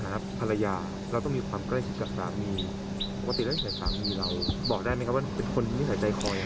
ภรรยาเราต้องมีความใกล้ชิดกับสามีปกติแล้วนิสัยสามีเราบอกได้ไหมครับว่าเป็นคนนิสัยใจคอ